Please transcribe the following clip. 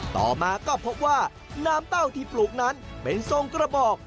ต่อมาก็พบว่าน้ำเต้าที่ปลูกนั้นเป็นทรงกระบอก